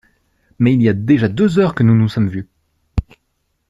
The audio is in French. Mais il y a déjà deux heures que nous ne nous sommes vus.